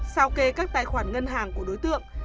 sao kê các tài khoản ngân hàng của đối tượng